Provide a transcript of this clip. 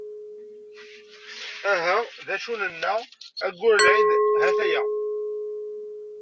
Aha! D acu nenna, aggur n lɛid ha-t-aya.